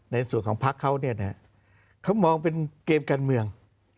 ในส่วนของพักเขาเนี่ยนะเขามองเป็นเกมการเมือง